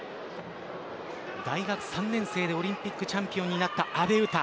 大学３年生でオリンピックチャンピオンになった阿部詩。